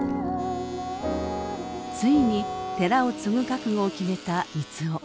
ついに寺を継ぐ覚悟を決めた三生。